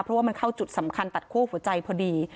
เพราะว่ามันเข้าจุดสำคัญตัดคั่วหัวใจพอดี